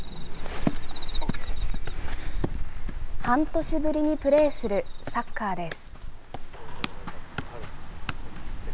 半年ぶりにプレーするサッカーです。